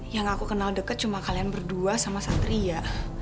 yang aku kenal deket cuma kalian berdua sama satria